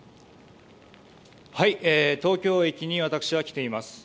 東京駅に私は来ています。